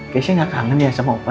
keisha gak kangen ya sama opa